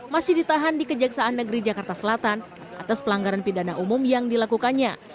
masih ditahan di kejaksaan negeri jakarta selatan atas pelanggaran pidana umum yang dilakukannya